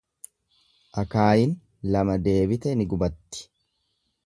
Akaayiin lama deebite ni gubatti.